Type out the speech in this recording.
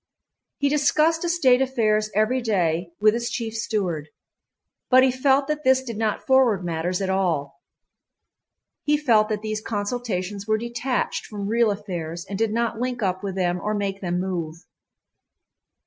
He discussed estate affairs every day with his chief steward. But he felt that this did not forward matters at all. He felt that these consultations were detached from real affairs and did not link up with them or make them move.